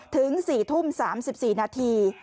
ถึง๔ทุ่ม๓๔นาที